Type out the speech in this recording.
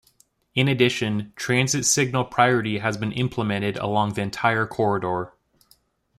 In addition, transit signal priority has been implemented along the entire corridor.